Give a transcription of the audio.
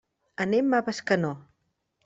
Anem a Bescanó.